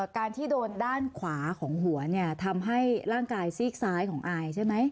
การที่โดนด้านขวาของหัวเนี่ยทำให้ร่างกายซีกซ้ายของอายใช่ไหม